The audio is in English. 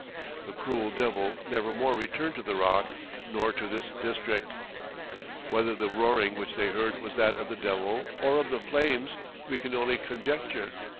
"The cruel Devil never more returned to the rock nor to this district." Whether the roaring which they heard was that of the Devil or of the flames we can only conjecture.